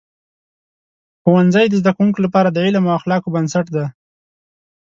ښوونځي د زده کوونکو لپاره د علم او اخلاقو بنسټ دی.